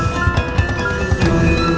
aku akan menjaga mereka